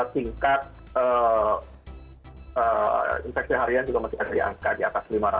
tingkat infeksi harian juga masih ada di angka di atas lima ratus